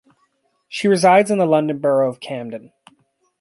She resides in the London Borough of Camden.